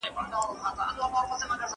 زه به سبا د کتابتوننۍ سره خبري کوم.